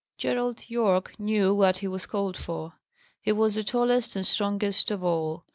Gerald Yorke knew what he was called for. He was the tallest and strongest of all.